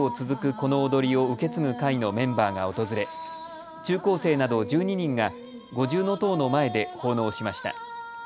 この踊りを受け継ぐ会のメンバーが訪れ中高生など１２人が五重塔の前で奉納しました。